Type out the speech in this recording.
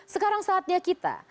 sekarang saatnya kita